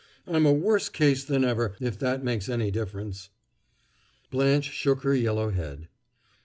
I'm a worse case than ever, if that makes any difference." Blanche shook her yellow head.